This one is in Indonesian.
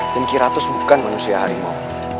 dan kiratus bukan manusia harimau